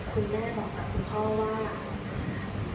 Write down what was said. คุณแม่บอกกับคุณพ่อว่า